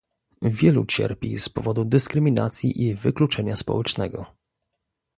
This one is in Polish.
Wielu cierpi z powodu dyskryminacji i wykluczenia społecznego